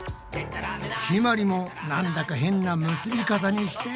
ひまりもなんだか変な結び方にして！